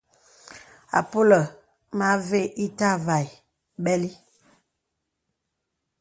Àpōlə mə avə ìtâvà bɛli.